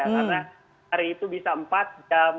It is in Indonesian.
karena hari itu bisa empat jam